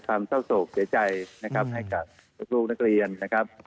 เศร้าโศกเสียใจนะครับให้กับลูกนักเรียนนะครับ